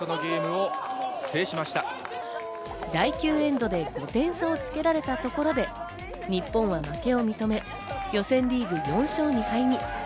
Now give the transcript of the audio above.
第９エンドで５点差をつけられたところで日本は負けを認め、予選リーグ４勝２敗に。